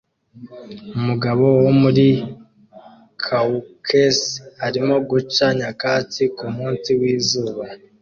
Umugabo wo muri Caucase arimo guca nyakatsi kumunsi wizuba